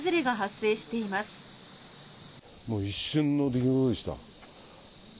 もう一瞬の出来事でした。